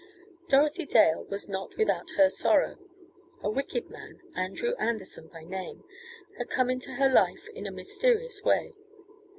Dorothy Dale was not without her sorrow. A wicked man, Andrew Anderson by name, had come into her life in a mysterious way.